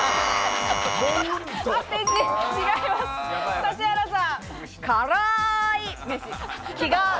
指原さん。